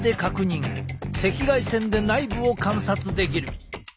赤外線で内部を観察できる。